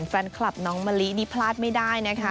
แฟนคลับน้องมะลินี่พลาดไม่ได้นะคะ